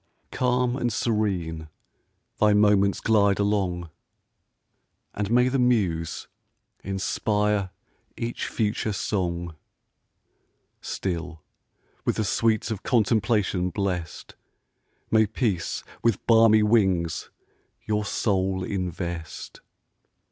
Calm and serene thy moments glide along, And may the muse inspire each future song! Still, with the sweets of contemplation bless'd, May peace with balmy wings your soul invest!